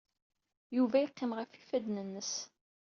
Yuba yeqqim ɣef yifadden-nnes.